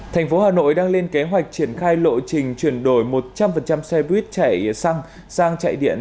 thành phố hà nội đang lên kế hoạch triển khai lộ trình chuyển đổi một trăm linh xe buýt chạy xăng sang chạy điện